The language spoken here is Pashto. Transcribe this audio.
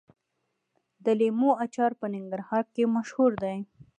د لیمو اچار په ننګرهار کې مشهور دی.